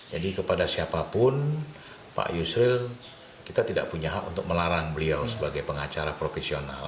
jadi kepada siapapun pak yusril kita tidak punya hak untuk melarang beliau sebagai pengacara profesional